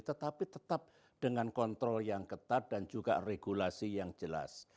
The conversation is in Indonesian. tetapi tetap dengan kontrol yang ketat dan juga regulasi yang jelas